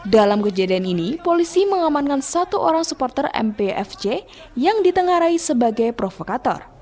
dalam kejadian ini polisi mengamankan satu orang supporter mpfc yang ditengarai sebagai provokator